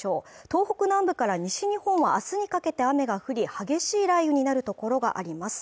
東北南部から西日本はあすにかけて雨が降り激しい雷雨になる所があります